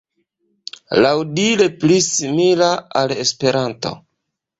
Laŭdire pli simila al Esperanto.